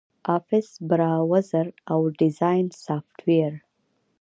آفس، براوزر، او ډیزاین سافټویر